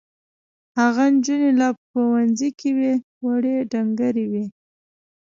هغه نجونې لا په ښوونځي کې وې وړې ډنګرې وې.